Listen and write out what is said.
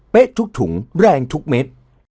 ทุกถุงแรงทุกเม็ด